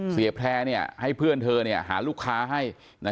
แพร่ให้เพื่อนเธอหาลูกค้าให้